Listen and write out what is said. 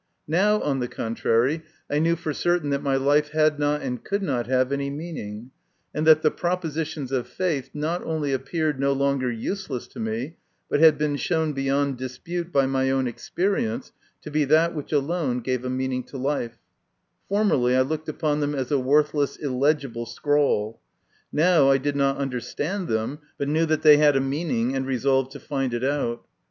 Now, on the contrary, I knew for certain that my life had not and could not have any meaning, and that the propositions of faith, not only appeared no longer useless to me, but had been shown beyond dispute by my own experience to be that which alone gave a meaning to life Formerly I looked upon them as a worthless, illegible scrawl ; now I did not understand them, but knew that they had a meaning, and resolved to find it out.